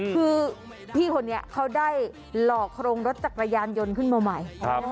คือพี่คนนี้เขาได้หลอกโครงรถจักรยานยนต์ขึ้นมาใหม่